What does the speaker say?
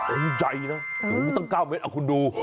โอ้ยใหญ่นะตั้ง๙เมตรเอ้าคุณดู